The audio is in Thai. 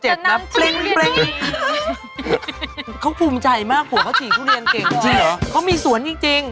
เอากล้าปูมาชนกันโหล